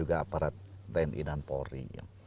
aparat tni dan polri